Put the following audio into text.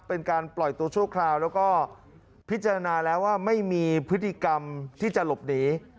เป็นการปล่อยตัวชั่วคราวแล้วก็พิจารณาแล้วว่าไม่มีพฤติกรรมที่จะหลบหนี